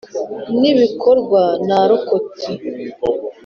nibikorwa narokotse.